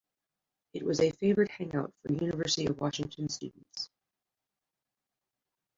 It was a favored hangout for University of Washington students.